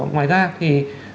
ngoài ra thì